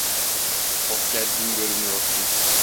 Çok gergin görünüyorsun.